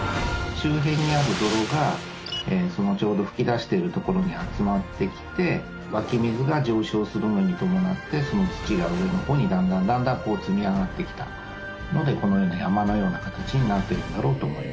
周辺にある泥がちょうど噴き出してる所に集まってきて湧き水が上昇するのに伴ってその土が上の方にだんだんだんだん積み上がってきたのでこのような山のような形になってるんだろうと思います。